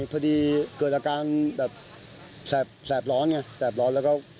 พอดีเกิดอาการแบบแสบร้อนไงแสบร้อนแล้วก็